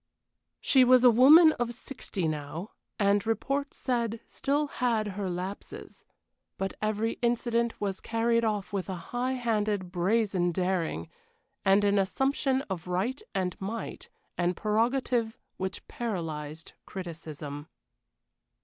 She was a woman of sixty now, and, report said, still had her lapses. But every incident was carried off with a high handed, brazen daring, and an assumption of right and might and prerogative which paralyzed criticism.